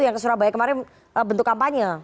yang ke surabaya kemarin bentuk kampanye